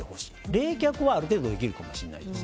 冷却は、ある程度できるかもしれないです